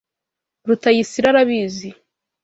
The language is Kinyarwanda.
Rutayisire arabizi.